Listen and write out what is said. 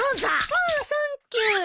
ああサンキュー。